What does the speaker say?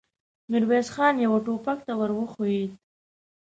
ميرويس خان يوه ټوپک ته ور وښويېد.